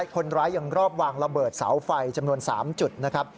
คนร้ายยังรอบวางระเบิดเสาไฟจำนวน๓จุดนะครับ